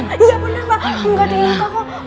gak ada yang luka kok